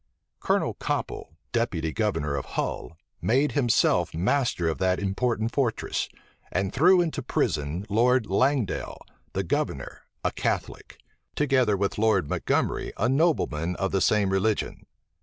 Colonel Copel, deputy governor of Hull, made himself master of that important fortress; and threw into prison Lord Langdale, the governor, a Catholic; together with Lord Montgomery, a nobleman of the same religion.